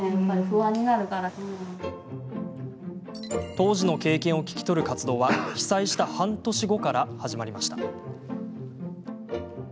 当時の経験を聞き取る活動は被災した半年後から始まりました。